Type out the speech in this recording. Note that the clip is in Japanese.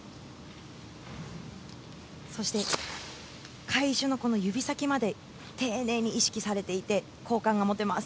そして返しの指先まで丁寧に意識されていて好感が持てます。